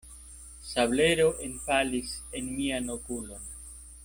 Sablero enfalis en mian okulon.